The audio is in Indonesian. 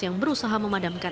yang berusaha memadamkan